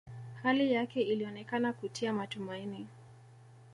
Hali yake ilionekana kutia matumaini